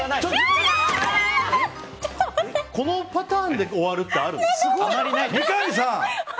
このパターンで終わるってある？